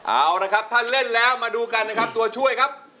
เอาละครับถ้าเล่นแล้วมาดูกันนะครับตัวช่วยครับ